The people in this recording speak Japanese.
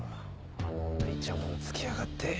あの女いちゃもんつけやがって。